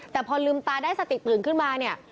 แต่พอลืมตาได้สติตื่นขึ้นมาเนี่ย